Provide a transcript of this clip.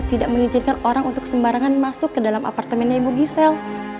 tidak mengizinkan orang untuk sembarangan masuk ke dalam apartemennya ibu gisel